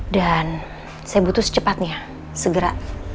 dan saya butuh secepatnya segera